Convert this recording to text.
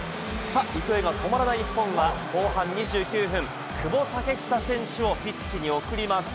勢いが止まらない日本は後半２９分、久保建英選手をピッチに送ります。